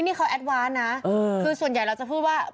นี่เขาแอดวานนะคือส่วนใหญ่เราจะพูดว่า